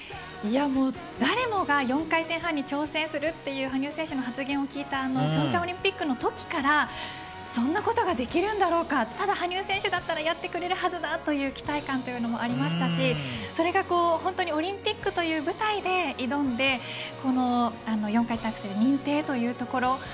誰もが４回転半に挑戦するという羽生選手の発言を聞いた平昌オリンピックの時からそんなことができるんだろうかただ羽生選手だったらやってくれるはずだという期待感もありましたし、それが本当にオリンピックという舞台で挑んで４回転アクセル認定というところ。